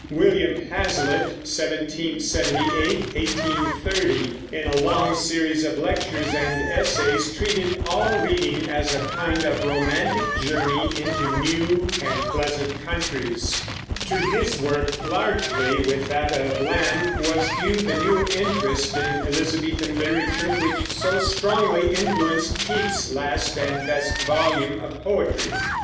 William Hazlitt (1778 1830), in a long series of lectures and essays, treated all reading as a kind of romantic journey into new and pleasant countries. To his work largely, with that of Lamb, was due the new interest in Elizabethan literature, which so strongly influenced Keats's last and best volume of poetry.